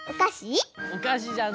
おかしじゃないな！